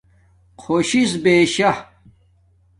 خوشی سس بیششا